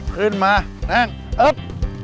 ขึ้นมาแน่งเอิ๊บ